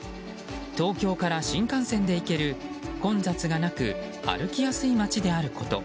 東京から新幹線で行ける混雑がなく歩きやすい街であること。